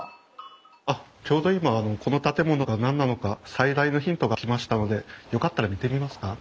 あっちょうど今この建物が何なのか最大のヒントが来ましたのでよかったら見てみますか？